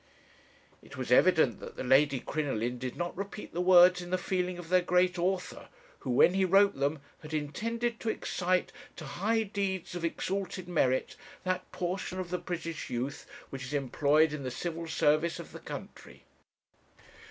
"'It was evident that the Lady Crinoline did not repeat the words in the feeling of their great author, who when he wrote them had intended to excite to high deeds of exalted merit that portion of the British youth which is employed in the Civil Service of the country.